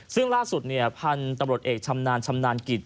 ซึ่งล่าสุดพันธุ์ตำรวจเอกชำนาญชำนาญกิจ